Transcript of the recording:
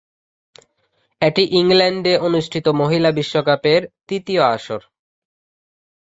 এটি ইংল্যান্ডে অনুষ্ঠিত মহিলা বিশ্বকাপের তৃতীয় আসর।